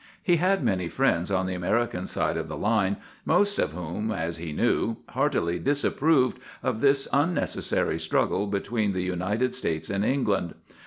He had many friends on the American side of the line, most of whom, as he knew, heartily disapproved of this unnecessary struggle between the United States and England.